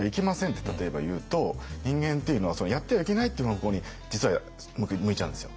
例えば言うと人間っていうのはそのやってはいけないっていう方向に実は向いちゃうんですよ。